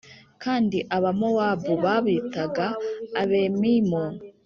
kandi abamowabu babitaga abemimu